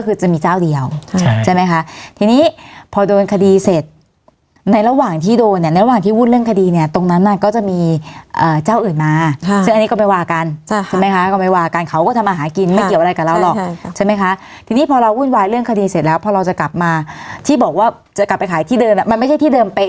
คือจะมีเจ้าเดียวใช่ไหมคะทีนี้พอโดนคดีเสร็จในระหว่างที่โดนเนี่ยระหว่างที่วุ่นเรื่องคดีเนี่ยตรงนั้นน่ะก็จะมีเจ้าอื่นมาซึ่งอันนี้ก็ไม่ว่ากันใช่ไหมคะก็ไม่ว่ากันเขาก็ทำอาหารกินไม่เกี่ยวอะไรกับเราหรอกใช่ไหมคะทีนี้พอเราวุ่นวายเรื่องคดีเสร็จแล้วพอเราจะกลับมาที่บอกว่าจะกลับไปขายที่เดิมอ่ะมันไม่ใช่ที่เดิมเป